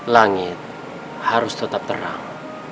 langit harus tetap terang